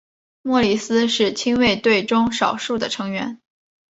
莫里斯是亲卫队中少数的成员。